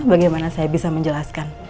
bagaimana saya bisa menjelaskan